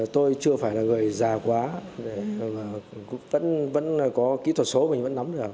tôi chưa phải là người già quá vẫn có kỹ thuật số mình vẫn nắm được